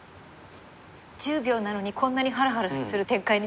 １０秒なのにこんなにハラハラする展開に。